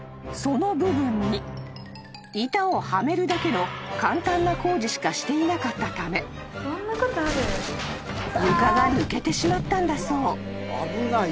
［その部分に板をはめるだけの簡単な工事しかしていなかったため床が抜けてしまったんだそう］